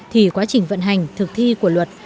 thì quá trình vận hành thực thi của luật